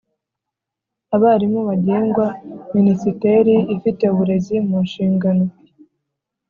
Abarimu bagengwa Minisiteri ifite uburezi mu nshingano.